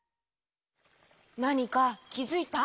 なにかきづいた？